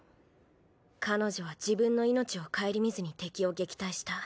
彼女は自分の命を顧みずに敵を撃退した。